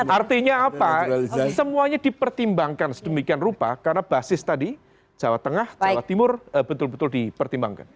artinya apa semuanya dipertimbangkan sedemikian rupa karena basis tadi jawa tengah jawa timur betul betul dipertimbangkan